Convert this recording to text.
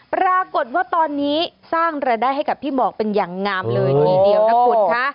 ปรากฏว่าตอนนี้สร้างรายได้ให้กับพี่หมอกเป็นอย่างงามเลยทีเดียวนะคุณคะ